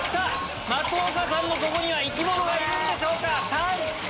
松岡さんのとこには生き物がいるんでしょうか？